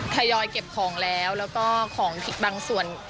ทยอยเก็บของแล้วแล้วก็ของอีกบางส่วน